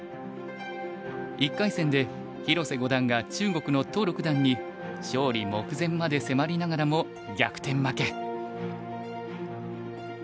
１回戦で広瀬五段が中国の屠六段に勝利目前まで迫りながらも逆転負け。